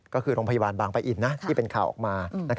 ก็คือโรงพยาบาลบางปะอินที่เป็นข่าวออกมา